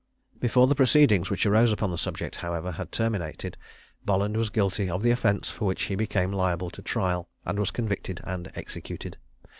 Before the proceedings which arose upon the subject, however, had terminated, Bolland was guilty of the offence for which he became liable to trial, and was convicted and executed.